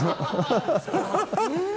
ハハハハ。